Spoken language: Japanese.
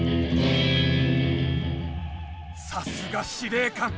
さすが司令官！